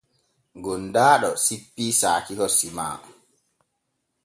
Gondaaɗo sippii saakiho sima.